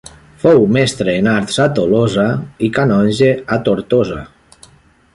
Fou mestre en arts a Tolosa i canonge a Tortosa.